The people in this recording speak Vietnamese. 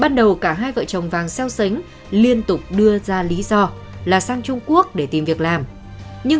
bắt đầu cả hai vợ chồng vàng xéo sánh liên tục đưa ra lý do là sang trung quốc để tìm việc làm nhưng